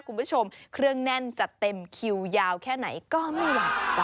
คุณผู้ชมเครื่องแน่นจัดเต็มคิวยาวแค่ไหนก็ไม่หวั่น